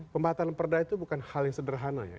pembatalan perda itu bukan hal yang sederhana ya